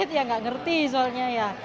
kaget ya nggak ngerti soalnya ya